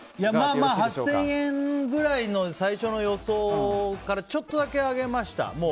まあ、８０００円ぐらいの最初の予想からちょっとだけ上げました。